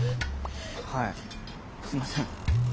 はいすいません。